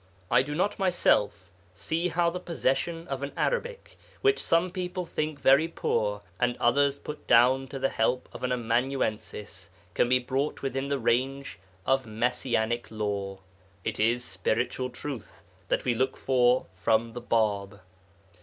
I do not myself see how the possession of an Arabic which some people think very poor and others put down to the help of an amanuensis, can be brought within the range of Messianic lore. It is spiritual truth that we look for from the Bāb.